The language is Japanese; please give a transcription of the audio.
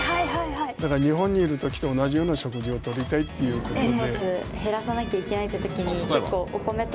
だから、日本にいるときと同じような食事を取りたいということで。